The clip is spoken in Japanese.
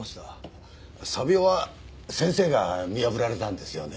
詐病は先生が見破られたんですよね？